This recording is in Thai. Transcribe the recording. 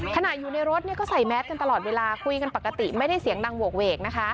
ขณะอยู่ในรถก็ใส่แมสกันตลอดเวลาคุยกันปกติไม่ได้เสียงดังโหกเวกนะคะ